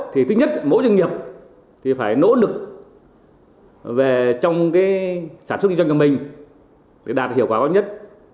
thì thứ nhất mỗi doanh nghiệp thì phải nỗ lực về trong cái sản xuất doanh nghiệp mình để đạt hiệu quả góp nhất